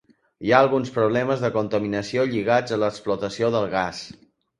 Hi ha alguns problemes de contaminació lligats a l’explotació del gas.